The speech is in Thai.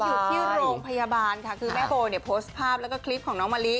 โรงพยาบาลค่ะคือแม่โบเนี่ยโพสท์ภาพแล้วก็คลิปของน้องมารี้